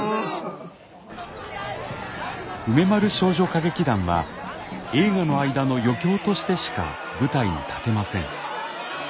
梅丸少女歌劇団は映画の間の余興としてしか舞台に立てません。